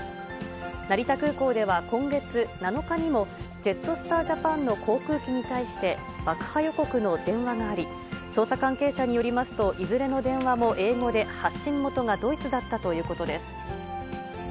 成田空港では、今月７日にもジェットスター・ジャパンの航空機に対して、爆破予告の電話があり、捜査関係者によりますと、いずれの電話も英語で発信元がドイツだったということです。